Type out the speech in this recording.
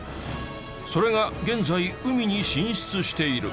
それが現在海に進出している。